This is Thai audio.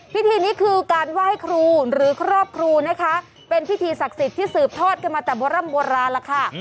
พิธีนี้คือการไหว้ครูหรือครอบครูนะคะเป็นพิธีศักดิ์สิทธิ์ที่สืบทอดกันมาแต่โบร่ำโบราณแล้วค่ะ